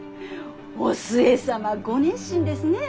お寿恵様ご熱心ですね。